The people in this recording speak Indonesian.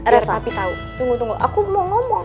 reva tunggu tunggu aku mau ngomong